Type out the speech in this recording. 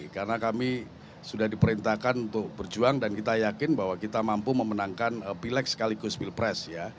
karena kami sudah diperintahkan untuk berjuang dan kita yakin bahwa kita mampu memenangkan pilek sekaligus pilpres ya